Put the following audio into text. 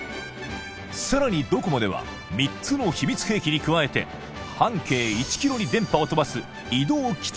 さらにドコモでは３つの秘密兵器に加えて半径１ｋｍに電波を飛ばす移動基地